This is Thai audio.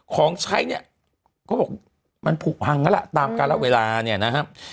ของใช้เนี่ยก็บอกมันผูกพังก็ละตามการรับเวลาเนี่ยนะครับ